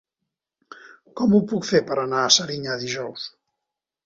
Com ho puc fer per anar a Serinyà dijous?